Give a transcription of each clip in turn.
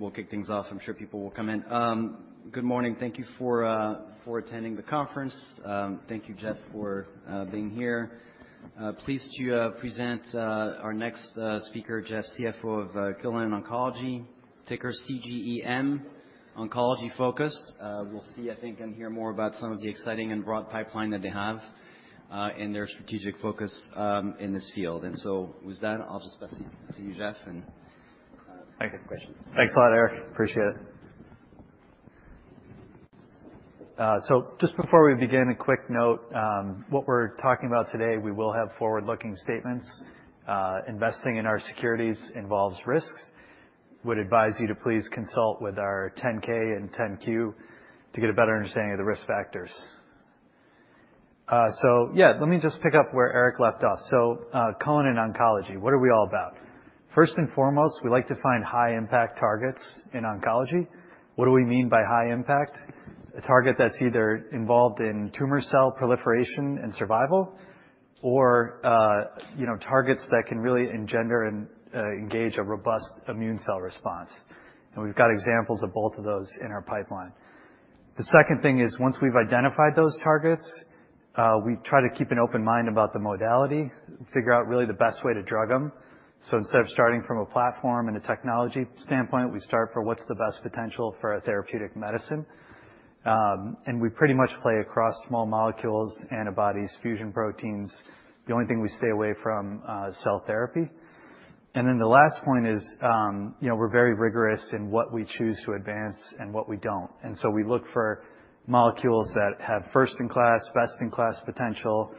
All right. We'll kick things off. I'm sure people will come in. Good morning. Thank you for attending the conference. Thank you, Jeff, for being here. Pleased to present our next speaker, Jeff, CFO of Cullinan Oncology, ticker CGEM, oncology-focused. We'll see, I think, and hear more about some of the exciting and broad pipeline that they have in their strategic focus in this field. With that, I'll just pass it to you, Jeff, and take your questions. Thanks a lot, Eric. Appreciate it. Just before we begin, a quick note. What we're talking about today, we will have forward-looking statements. Investing in our securities involves risks. Would advise you to please consult with our 10-K and 10-Q to get a better understanding of the risk factors. Let me just pick up where Eric left off. Cullinan Oncology, what are we all about? First and foremost, we like to find high impact targets in oncology. What do we mean by high impact? A target that's either involved in tumor cell proliferation and survival or targets that can really engender and engage a robust immune cell response. We've got examples of both of those in our pipeline. The second thing is, once we've identified those targets, we try to keep an open mind about the modality, figure out really the best way to drug them. Instead of starting from a platform and a technology standpoint, we start for what's the best potential for a therapeutic medicine. We pretty much play across small molecules, antibodies, fusion proteins. The only thing we stay away from is cell therapy. The last point is, we're very rigorous in what we choose to advance and what we don't. We look for molecules that have first-in-class, best-in-class potential,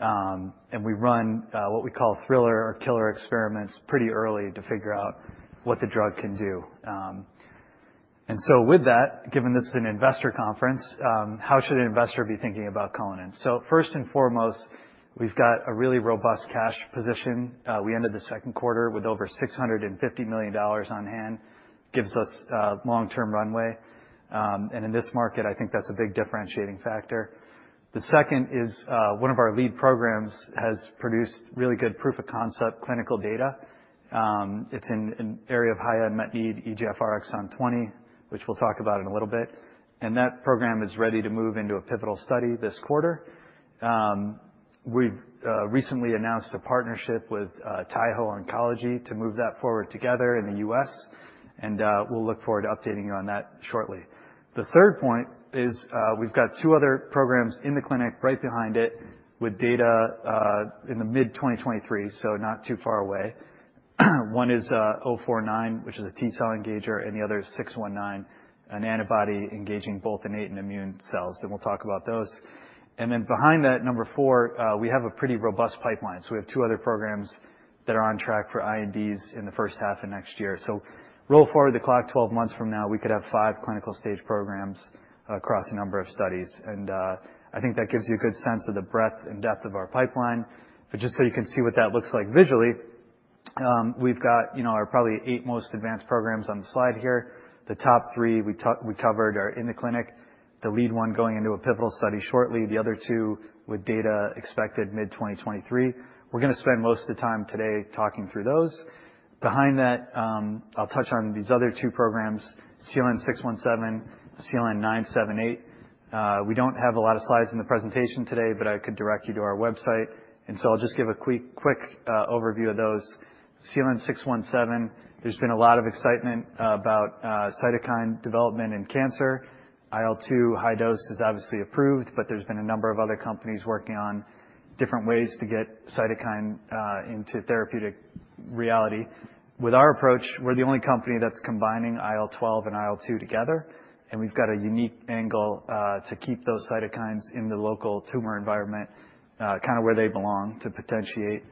and we run what we call thriller or killer experiments pretty early to figure out what the drug can do. With that, given this is an investor conference, how should an investor be thinking about Cullinan? First and foremost, we've got a really robust cash position. We ended the second quarter with over $650 million on hand, gives us long-term runway. In this market, I think that's a big differentiating factor. The second is, one of our lead programs has produced really good proof of concept clinical data. It's in an area of high unmet need, EGFR Exon 20, which we'll talk about in a little bit. That program is ready to move into a pivotal study this quarter. We've recently announced a partnership with Taiho Oncology to move that forward together in the U.S., we'll look forward to updating you on that shortly. The third point is we've got two other programs in the clinic right behind it with data in the mid-2023, so not too far away. One is CLN-049, which is a T-cell engager, the other is CLN-619, an antibody engaging both innate and immune cells, and we'll talk about those. Behind that, number four, we have a pretty robust pipeline. We have two other programs that are on track for INDs in the first half of next year. Roll forward the clock 12 months from now, we could have 5 clinical stage programs across a number of studies, and I think that gives you a good sense of the breadth and depth of our pipeline. Just so you can see what that looks like visually, we've got our probably eight most advanced programs on the slide here. The top three we covered are in the clinic, the lead one going into a pivotal study shortly, the other two with data expected mid-2023. We're going to spend most of the time today talking through those. Behind that, I'll touch on these other two programs, CLN-617, CLN-978. We don't have a lot of slides in the presentation today, but I could direct you to our website. I'll just give a quick overview of those. CLN-617, there's been a lot of excitement about cytokine development in cancer. IL-2 high dose is obviously approved, but there's been a number of other companies working on different ways to get cytokine into therapeutic reality. With our approach, we're the only company that's combining IL-12 and IL-2 together, and we've got a unique angle to keep those cytokines in the local tumor environment, kind of where they belong to potentiate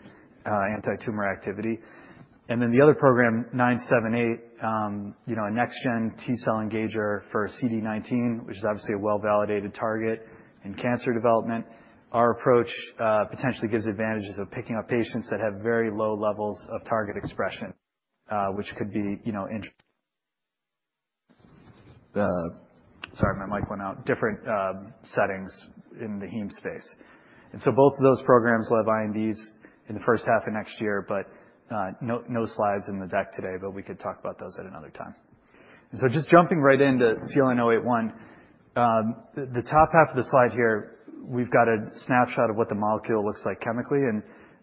anti-tumor activity. The other program, 978, a next-gen T-cell engager for CD19, which is obviously a well-validated target in cancer development. Our approach potentially gives advantages of picking up patients that have very low levels of target expression, which could be different settings in the heme space. Both of those programs will have INDs in the first half of next year, but no slides in the deck today, but we could talk about those at another time. Just jumping right into CLN-081. The top half of the slide here, we've got a snapshot of what the molecule looks like chemically.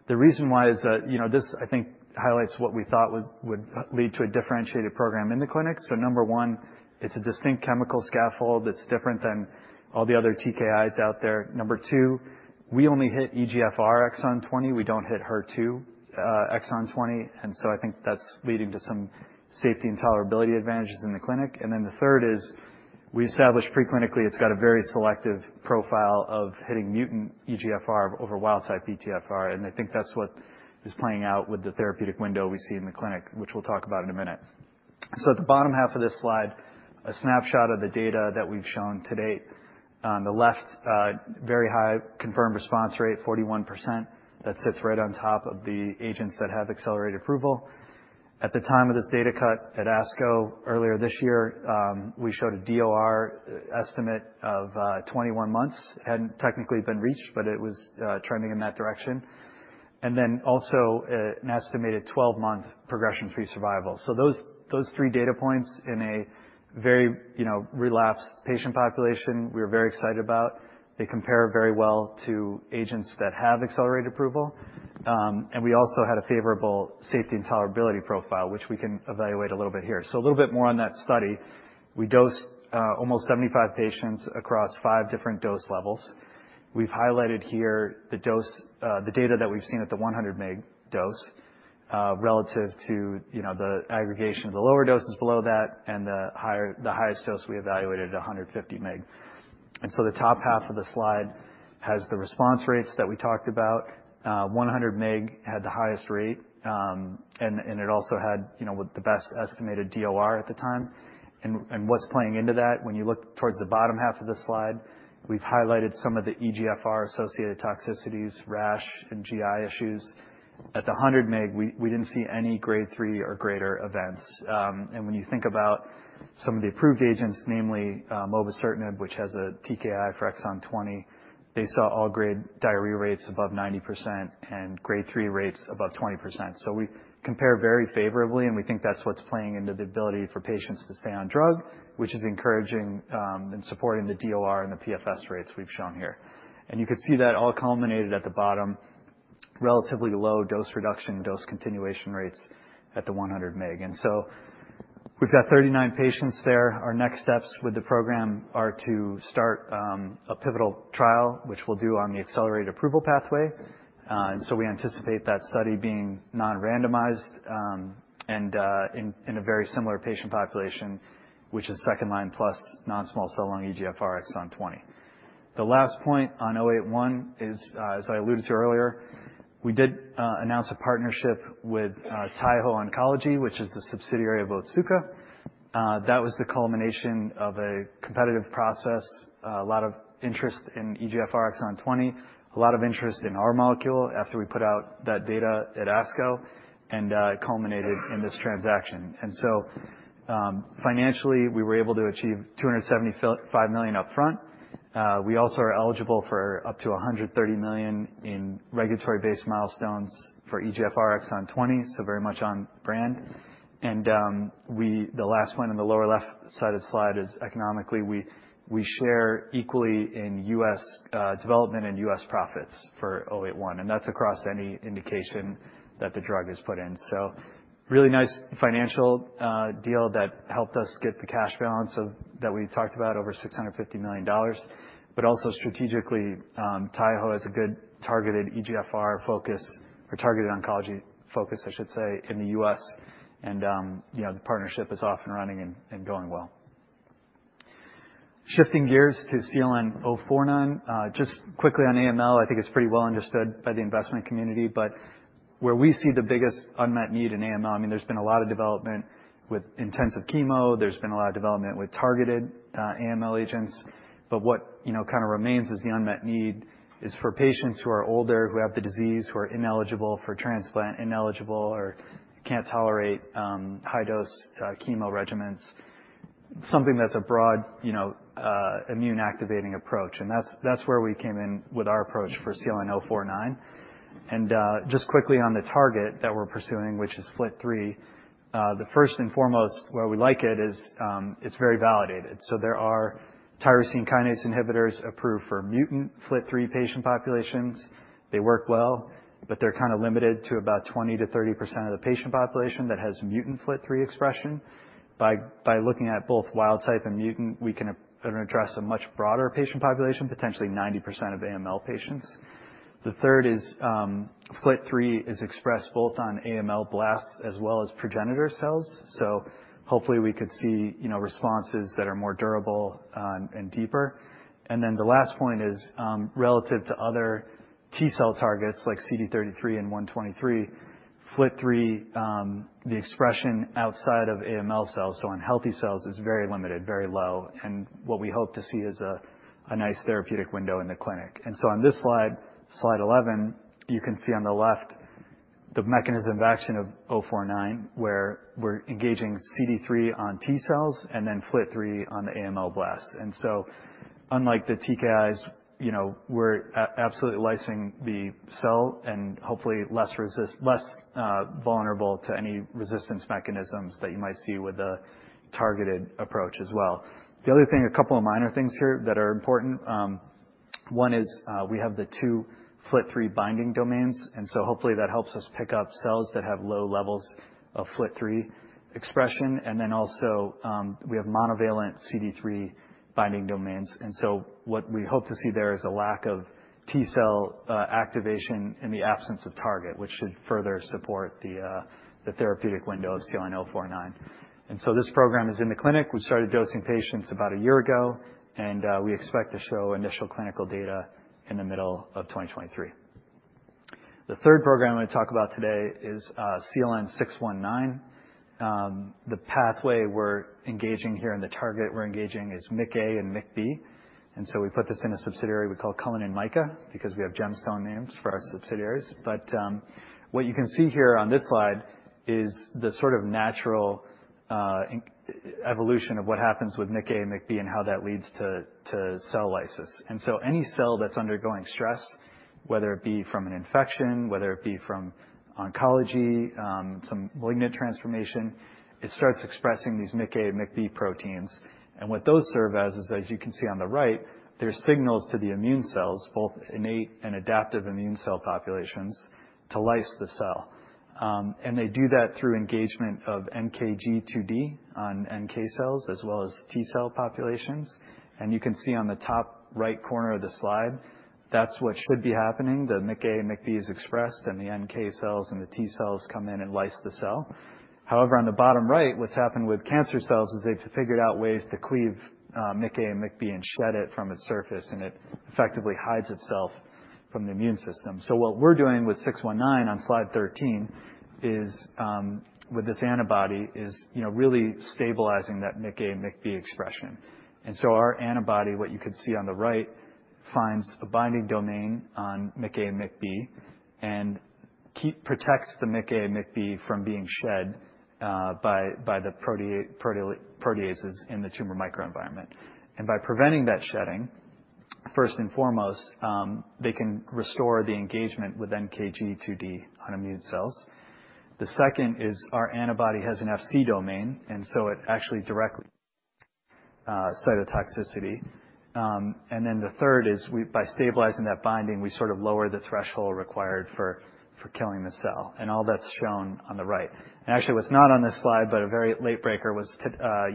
The reason why is that this, I think, highlights what we thought would lead to a differentiated program in the clinic. Number 1, it's a distinct chemical scaffold that's different than all the other TKIs out there. Number 2, we only hit EGFR exon 20. We don't hit HER2 exon 20, I think that's leading to some safety and tolerability advantages in the clinic. The third is we established pre-clinically, it's got a very selective profile of hitting mutant EGFR over wild-type EGFR, and I think that's what is playing out with the therapeutic window we see in the clinic, which we'll talk about in a minute. At the bottom half of this slide, a snapshot of the data that we've shown to date. On the left, very high confirmed response rate, 41%, that sits right on top of the agents that have accelerated approval. At the time of this data cut at ASCO earlier this year, we showed a DOR estimate of 21 months. Hadn't technically been reached, but it was trending in that direction. Also an estimated 12-month progression-free survival. Those three data points in a very relapsed patient population, we are very excited about. They compare very well to agents that have accelerated approval. We also had a favorable safety and tolerability profile, which we can evaluate a little bit here. A little bit more on that study. We dosed almost 75 patients across 5 different dose levels. We've highlighted here the data that we've seen at the 100 mg dose relative to the aggregation of the lower doses below that and the highest dose we evaluated, 150 mg. The top half of the slide has the response rates that we talked about. 100 mg had the highest rate, and it also had the best estimated DOR at the time. What's playing into that, when you look towards the bottom half of the slide, we've highlighted some of the EGFR-associated toxicities, rash, and GI issues. At the 100 mg, we didn't see any Grade 3 or greater events. When you think about some of the approved agents, namely mobocertinib, which has a TKI for exon 20, they saw all grade diarrhea rates above 90% and Grade 3 rates above 20%. We compare very favorably, and we think that's what's playing into the ability for patients to stay on drug, which is encouraging, and supporting the DOR and the PFS rates we've shown here. You can see that all culminated at the bottom, relatively low dose reduction, dose continuation rates at the 100 mg. We've got 39 patients there. Our next steps with the program are to start a pivotal trial, which we'll do on the accelerated approval pathway. We anticipate that study being non-randomized, and in a very similar patient population, which is second-line plus non-small cell lung EGFR exon 20. The last point on 081 is as I alluded to earlier, we did announce a partnership with Taiho Oncology, which is the subsidiary of Otsuka. That was the culmination of a competitive process, a lot of interest in EGFR exon 20, a lot of interest in our molecule after we put out that data at ASCO, and it culminated in this transaction. Financially, we were able to achieve $275 million upfront. We also are eligible for up to $130 million in regulatory-based milestones for EGFR exon 20, very much on brand. The last point in the lower left side of the slide is economically, we share equally in U.S. development and U.S. profits for 081. That's across any indication that the drug is put in. Really nice financial deal that helped us get the cash balance that we talked about over $650 million. Also strategically, Taiho has a good targeted EGFR focus or targeted oncology focus, I should say, in the U.S. The partnership is off and running and going well. Shifting gears to CLN-049. Just quickly on AML, I think it's pretty well understood by the investment community, but where we see the biggest unmet need in AML, I mean, there's been a lot of development with intensive chemo, there's been a lot of development with targeted AML agents, but what remains is the unmet need is for patients who are older, who have the disease, who are ineligible for transplant, ineligible or can't tolerate high-dose chemo regimens, something that's a broad immune-activating approach. That's where we came in with our approach for CLN-049. Just quickly on the target that we're pursuing, which is FLT3, the first and foremost why we like it is it's very validated. There are tyrosine kinase inhibitors approved for mutant FLT3 patient populations. They work well, but they're kind of limited to about 20%-30% of the patient population that has mutant FLT3 expression. By looking at both wild type and mutant, we can address a much broader patient population, potentially 90% of AML patients. The third is FLT3 is expressed both on AML blasts as well as progenitor cells. Hopefully we could see responses that are more durable and deeper. The last point is relative to other T-cell targets like CD33 and CD123, FLT3, the expression outside of AML cells, so on healthy cells, is very limited, very low, and what we hope to see is a nice therapeutic window in the clinic. On this slide 11, you can see on the left the mechanism of action of 049, where we're engaging CD3 on T cells and then FLT3 on the AML blasts. Unlike the TKIs, we're absolutely lysing the cell and hopefully less vulnerable to any resistance mechanisms that you might see with a targeted approach as well. The other thing, a couple of minor things here that are important, one is we have the two FLT3 binding domains, hopefully that helps us pick up cells that have low levels of FLT3 expression. Also, we have monovalent CD3 binding domains. What we hope to see there is a lack of T-cell activation in the absence of target, which should further support the therapeutic window of CLN-049. This program is in the clinic. We started dosing patients about a year ago, and we expect to show initial clinical data in the middle of 2023. The third program I'm going to talk about today is CLN-619. The pathway we're engaging here and the target we're engaging is MIC-A and MIC-B. We put this in a subsidiary we call Cullinan MICA, because we have gemstone names for our subsidiaries. What you can see here on this slide is the sort of natural evolution of what happens with MIC-A and MIC-B and how that leads to cell lysis. Any cell that's undergoing stress, whether it be from an infection, whether it be from oncology, some malignant transformation, it starts expressing these MIC-A and MIC-B proteins. What those serve as is, as you can see on the right, they're signals to the immune cells, both innate and adaptive immune cell populations, to lyse the cell. They do that through engagement of NKG2D on NK cells as well as T cell populations. You can see on the top right corner of the slide, that's what should be happening. The MICA and MICB is expressed, and the NK cells and the T cells come in and lyse the cell. However, on the bottom right, what's happened with cancer cells is they've figured out ways to cleave MICA and MICB and shed it from its surface, and it effectively hides itself from the immune system. What we're doing with 619 on slide 13 with this antibody is really stabilizing that MICA, MICB expression. Our antibody, what you can see on the right, finds a binding domain on MICA and MICB and protects the MICA and MICB from being shed by the proteases in the tumor microenvironment. By preventing that shedding, first and foremost, they can restore the engagement with NKG2D on immune cells. The second is our antibody has an Fc domain, so it actually directly cytotoxicity. The third is, by stabilizing that binding, we sort of lower the threshold required for killing the cell, and all that's shown on the right. Actually, it was not on this slide, but a very late breaker was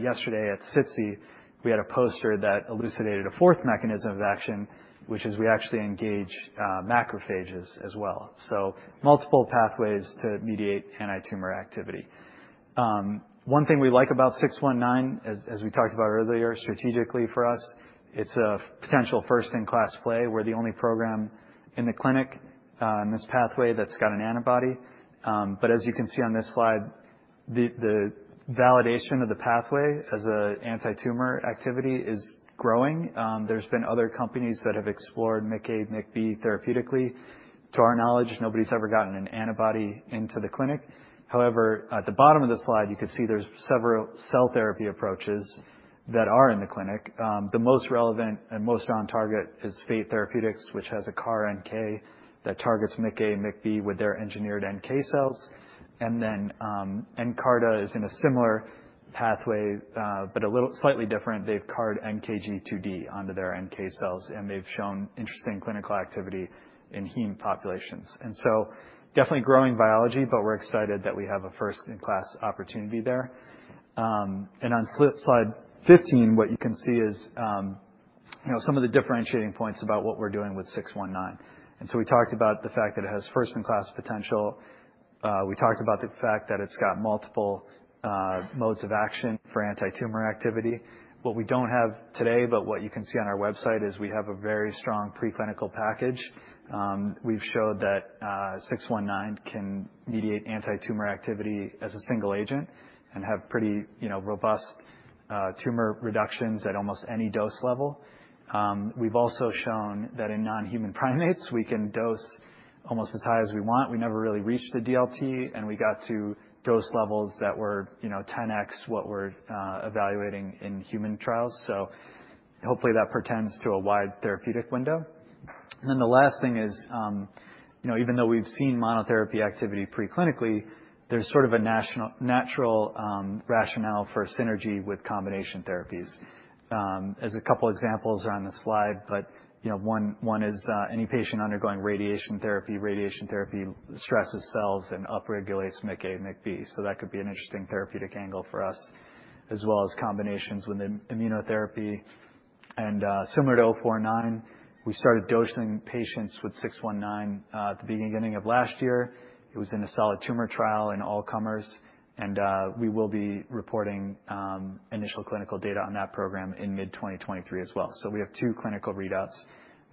yesterday at SITC, we had a poster that elucidated a fourth mechanism of action, which is we actually engage macrophages as well. Multiple pathways to mediate antitumor activity. One thing we like about 619, as we talked about earlier, strategically for us, it's a potential first-in-class play. We're the only program in the clinic in this pathway that's got an antibody. As you can see on this slide, the validation of the pathway as a antitumor activity is growing. There's been other companies that have explored MICA, MICB therapeutically. To our knowledge, nobody's ever gotten an antibody into the clinic. However, at the bottom of the slide, you can see there's several cell therapy approaches that are in the clinic. The most relevant and most on target is Fate Therapeutics, which has a CAR NK that targets MICA and MICB with their engineered NK cells. Nkarta is in a similar pathway, but slightly different. They've CAR'd NKG2D onto their NK cells, and they've shown interesting clinical activity in heme populations. Definitely growing biology, but we're excited that we have a first-in-class opportunity there. On slide 15, what you can see is some of the differentiating points about what we're doing with 619. We talked about the fact that it has first-in-class potential. We talked about the fact that it's got multiple modes of action for antitumor activity. What we don't have today, but what you can see on our website, is we have a very strong preclinical package. We've showed that 619 can mediate antitumor activity as a single agent and have pretty robust tumor reductions at almost any dose level. We've also shown that in non-human primates, we can dose almost as high as we want. We never really reached the DLT, and we got to dose levels that were 10X what we're evaluating in human trials. Hopefully, that portends to a wide therapeutic window. The last thing is even though we've seen monotherapy activity preclinically, there's sort of a natural rationale for synergy with combination therapies. A couple examples are on the slide, but one is any patient undergoing radiation therapy, radiation therapy stresses cells and upregulates MICA and MICB. That could be an interesting therapeutic angle for us, as well as combinations with immunotherapy. Similar to CLN-049, we started dosing patients with CLN-619 at the beginning of last year. It was in a solid tumor trial in all comers, we will be reporting initial clinical data on that program in mid-2023 as well. We have two clinical readouts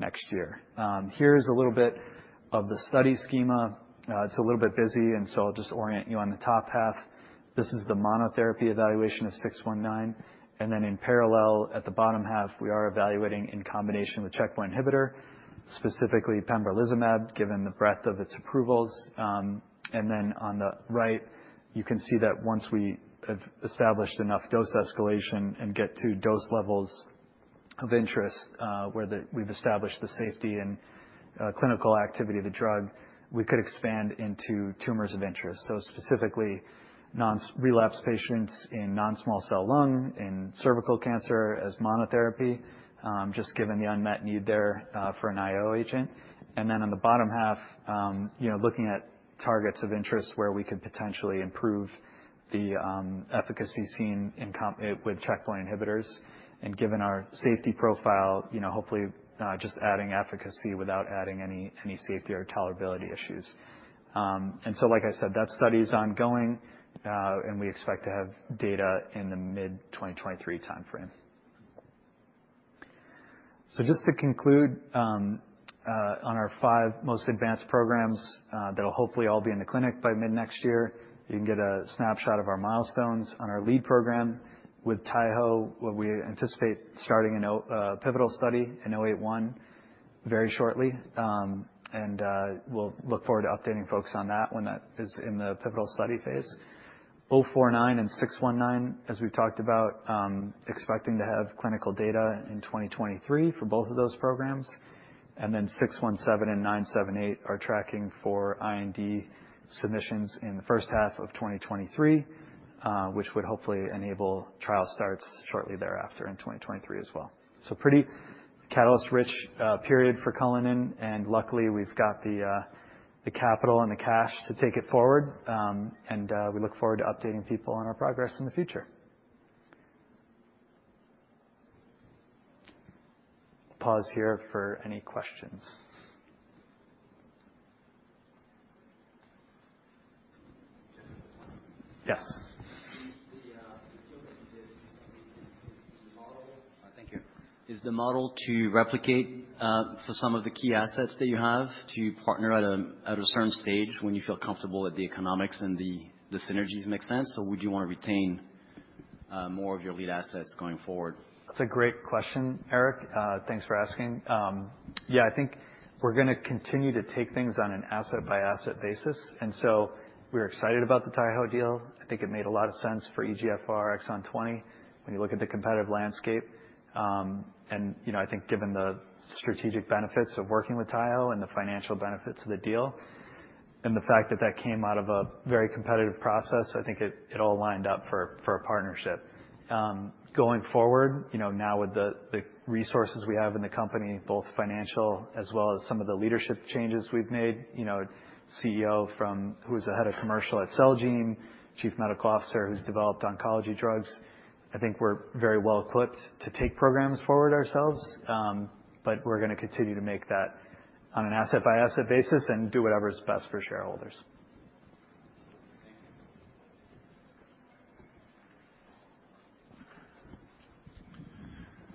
next year. Here's a little bit of the study schema. It's a little bit busy, I'll just orient you on the top half. This is the monotherapy evaluation of CLN-619, then in parallel at the bottom half, we are evaluating in combination with checkpoint inhibitor, specifically pembrolizumab, given the breadth of its approvals. On the right, you can see that once we have established enough dose escalation and get to dose levels of interest, where we've established the safety and clinical activity of the drug, we could expand into tumors of interest. Specifically, non-relapse patients in non-small cell lung, in cervical cancer as monotherapy, just given the unmet need there for an IO agent. On the bottom half, looking at targets of interest where we could potentially improve the efficacy seen with checkpoint inhibitors. Given our safety profile, hopefully, just adding efficacy without adding any safety or tolerability issues. Like I said, that study is ongoing, we expect to have data in the mid-2023 timeframe. Just to conclude on our five most advanced programs that'll hopefully all be in the clinic by mid-next year. You can get a snapshot of our milestones on our lead program with Taiho, where we anticipate starting a pivotal study in CLN-081 very shortly, we'll look forward to updating folks on that when that is in the pivotal study phase. CLN-049 and CLN-619, as we've talked about, expecting to have clinical data in 2023 for both of those programs. CLN-617 and CLN-978 are tracking for IND submissions in the first half of 2023, which would hopefully enable trial starts shortly thereafter in 2023 as well. Pretty catalyst-rich period for Cullinan, luckily we've got the capital and the cash to take it forward. We look forward to updating people on our progress in the future. Pause here for any questions. Yes. The deal that you did. Thank you. Is the model to replicate, for some of the key assets that you have, to partner at a certain stage when you feel comfortable that the economics and the synergies make sense? Would you want to retain more of your lead assets going forward? That's a great question, Eric. Thanks for asking. Yeah, I think we're going to continue to take things on an asset-by-asset basis. We're excited about the Taiho deal. I think it made a lot of sense for EGFR exon 20. When you look at the competitive landscape, I think given the strategic benefits of working with Taiho and the financial benefits of the deal, the fact that that came out of a very competitive process, I think it all lined up for a partnership. Going forward, now with the resources we have in the company, both financial as well as some of the leadership changes we've made, a CEO who was a head of commercial at Celgene, Chief Medical Officer who's developed oncology drugs. I think we're very well put to take programs forward ourselves. We're going to continue to make that on an asset-by-asset basis and do whatever's best for shareholders. Thank you.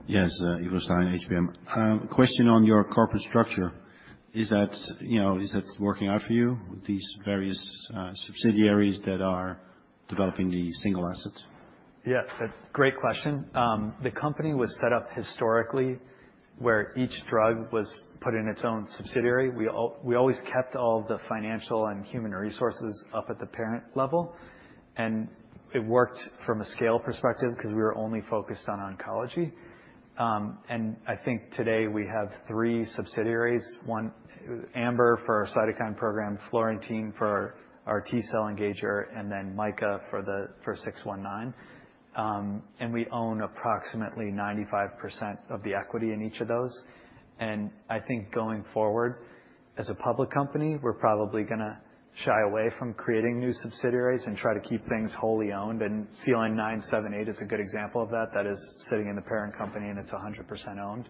Yes, Ivo Stein, HBM. Question on your corporate structure. Is that working out for you with these various subsidiaries that are developing the single assets? Yeah, that's a great question. The company was set up historically, where each drug was put in its own subsidiary. We always kept all the financial and human resources up at the parent level, and it worked from a scale perspective because we were only focused on oncology. Today we have three subsidiaries, one, Amber for our cytokine program, Florentine for our T-cell engager, then MICA for 619. We own approximately 95% of the equity in each of those. Going forward as a public company, we're probably going to shy away from creating new subsidiaries and try to keep things wholly owned. CLN-978 is a good example of that. That is sitting in the parent company, and it's 100% owned.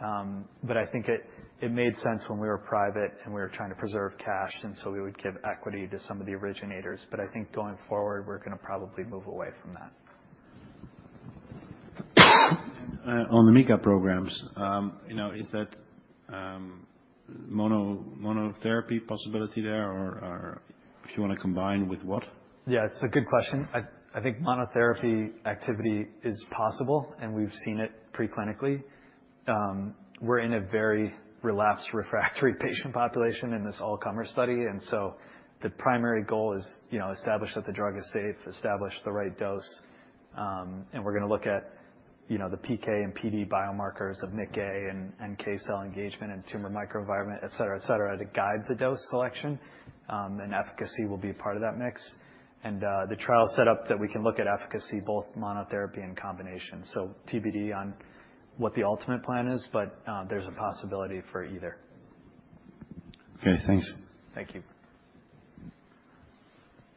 I think it made sense when we were private and we were trying to preserve cash, we would give equity to some of the originators. I think going forward, we're going to probably move away from that. On the MICA programs, is that monotherapy possibility there, or if you want to combine with what? Yeah, it's a good question. I think monotherapy activity is possible, and we've seen it pre-clinically. We're in a very relapsed refractory patient population in this all-comer study, the primary goal is establish that the drug is safe, establish the right dose. We're going to look at the PK and PD biomarkers of MICA and NK cell engagement and tumor microenvironment, et cetera, to guide the dose selection, and efficacy will be a part of that mix. The trial's set up that we can look at efficacy, both monotherapy and combination. TBD on what the ultimate plan is. There's a possibility for either. Okay, thanks. Thank you.